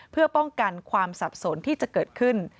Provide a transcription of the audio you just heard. เพื่อป้องกันความสับสนที่จะเกิดขึ้น